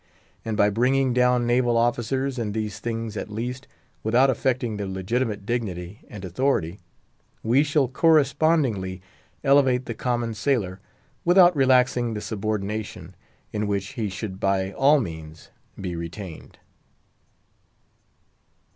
And by bringing down naval officers, in these things at least, without affecting their legitimate dignity and authority, we shall correspondingly elevate the common sailor, without relaxing the subordination, in which he should by all means be retained.